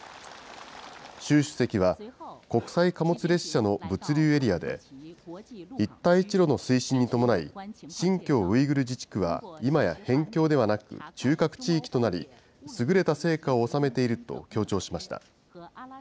習主席は、国際貨物列車の物流エリアで、一帯一路の推進に伴い、新疆ウイグル自治区は今や辺境ではなく、中核地域となり、すぐれた成果を収めていると強調しました。